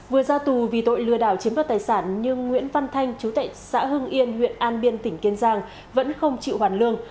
vừa ra tù vì tội lừa đảo chiếm đoạt tài sản nhưng nguyễn văn thanh chú tệ xã hưng yên huyện an biên tỉnh kiên giang vẫn không chịu hoàn lương